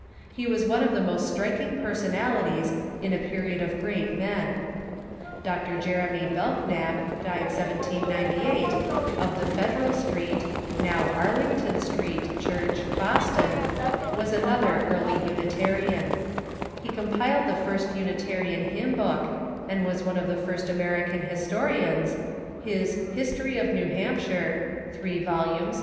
He •was one of the most striking personalities in a period of great men. Dr. Jeremy Belkna]) (died 1798), of the Federal Street (now Arlington Street) Church, Boston, was another early THE UNITARIAN CHURCH ' 547 Unitarian. lie compiled the first Unitarian hymn book, and was one of the first American historians, his "History of New Hampshire" (3 vols.